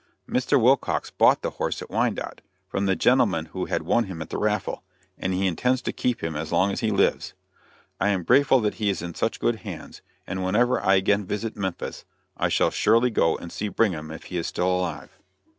Mr. Wilcox bought the horse at Wyandotte, from the gentleman who had won him at the raffle, and he intends to keep him as long as he lives. I am grateful that he is in such good hands, and whenever I again visit Memphis I shall surely go and see Brigham if he is still alive.